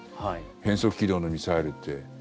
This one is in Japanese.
変則軌道のミサイルって。